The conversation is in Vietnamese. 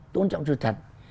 tôn trọng sự thật